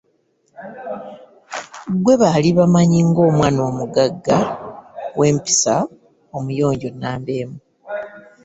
Gwe baali bamanyi ng'omwana omugagga w'empisa omuyonjo nnamba emu.